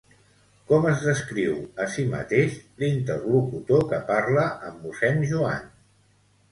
Com es descriu a si mateix l'interlocutor que parla amb mossèn Joan?